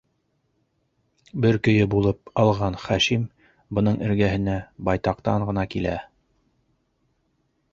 Бер көйө булып алған Хашим бының эргәһенә байтаҡтан ғына килә: